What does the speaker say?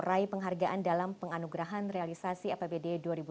rai penghargaan dalam penganugerahan realisasi apbd dua ribu dua puluh satu